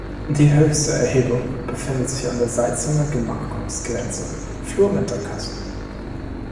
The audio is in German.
Die höchste Erhebung befindet sich bei an der Salzunger Gemarkungsgrenze, Flur Winterkasten.